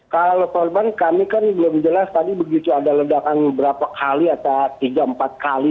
kalau korban kami kan belum jelas tadi begitu ada ledakan berapa kali atau tiga empat kali